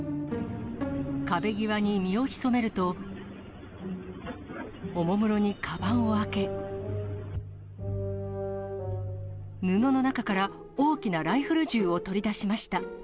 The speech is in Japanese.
壁際に身をひそめると、おもむろにかばんを開け、布の中から大きなライフル銃を取り出しました。